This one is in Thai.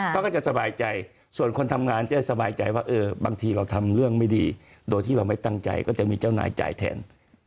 เขาก็จะสบายใจส่วนคนทำงานจะสบายใจว่าบางทีเราทำเรื่องไม่ดีโดยที่เราไม่ตั้งใจก็จะมีเจ้านายจ่ายแทน